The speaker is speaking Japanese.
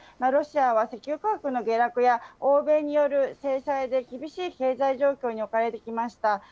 ロシアは石油価格の下落や、欧米による制裁で厳しい経済状況に置かれてきました。